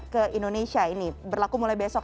ke indonesia ini berlaku mulai besok